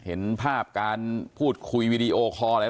เชิงชู้สาวกับผอโรงเรียนคนนี้